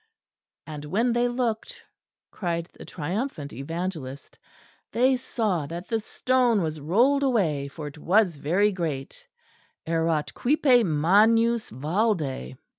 "And when they looked," cried the triumphant Evangelist, "they saw that the stone was rolled away; for it was very great" "erat quippe magnus valde."